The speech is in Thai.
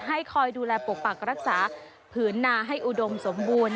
คอยดูแลปกปักรักษาผืนนาให้อุดมสมบูรณ์